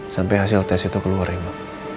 sampai hasil tes itu keluar ya mbak